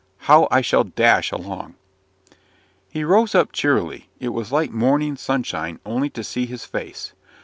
How I shall dash along!" He rose up cheerily. It was like morning sunshine only to see his face.